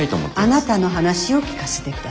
あなたの話を聞かせて下さい。